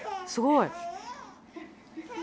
すごい！